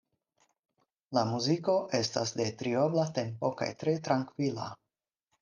La muziko estas de triobla tempo kaj tre trankvila.